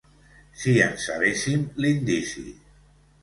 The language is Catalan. Si en sabéssim l'indici...